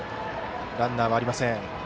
ランナーはありません。